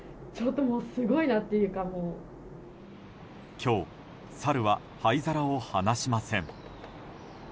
今日、サルは灰皿を放しません。